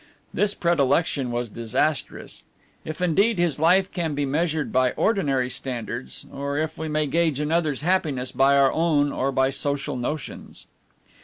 This predilection was disastrous; if indeed his life can be measured by ordinary standards, or if we may gauge another's happiness by our own or by social notions.